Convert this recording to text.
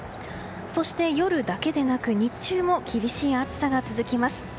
そして夜だけでなく日中も厳しい暑さが続きます。